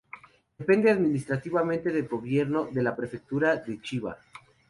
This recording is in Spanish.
Depende administrativamente del gobierno de la Prefectura de Chiba.